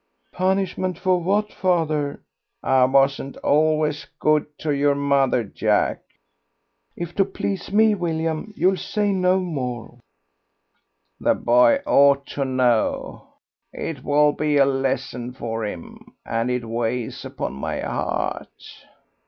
"Punishment for what, father?" "I wasn't always good to your mother, Jack." "If to please me, William, you'll say no more." "The boy ought to know; it will be a lesson for him, and it weighs upon my heart."